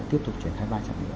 tiếp tục triển khai ba trạm nữa